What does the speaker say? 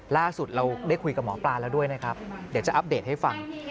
ล่าสุดเราได้คุยกับหมอปลาแล้วด้วยนะครับเดี๋ยวจะอัปเดตให้ฟัง